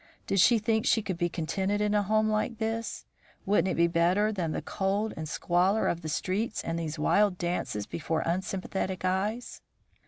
Did she think she could be contented in a home like this? Wouldn't it be better than the cold and squalor of the streets and these wild dances before unsympathetic eyes?